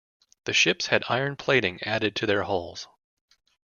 The ships had iron plating added to their hulls.